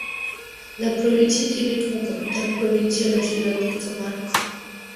La provincia tiene como capital provincia a la ciudad de Camargo.